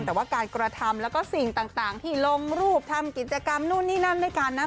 แต่ว่าการกระทำแล้วก็สิ่งต่างที่ลงรูปทำกิจกรรมนู่นนี่นั่นด้วยกันนะ